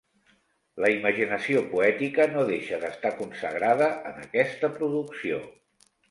La imaginació poètica no deixa d’estar consagrada en aquesta producció.